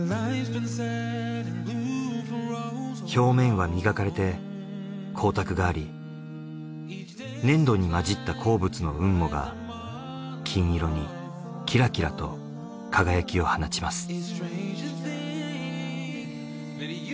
表面は磨かれて光沢があり粘土に混じった鉱物の雲母が金色にキラキラと輝きを放ちます。